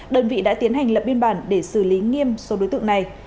đơn vị đã tiến hành lập biên bản để xử lý nghiêm số đối tượng này